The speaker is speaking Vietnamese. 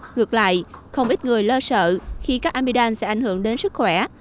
ngược lại không ít người lo sợ khi các amidam sẽ ảnh hưởng đến sức khỏe